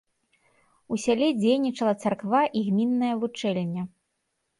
У сяле дзейнічала царква і гмінная вучэльня.